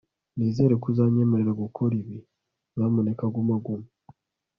nizere ko uzanyemerera gukora ibi, nyamuneka guma guma